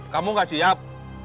kau nggak siap